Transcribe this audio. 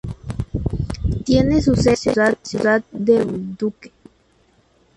Tiene su sede en la ciudad de Bolduque.